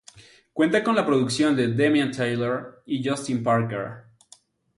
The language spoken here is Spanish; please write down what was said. Cuenta con la producción de Damian Taylor y Justin Parker.